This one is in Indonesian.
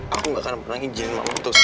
aku nggak akan memperlukan jenis mama untuk sedih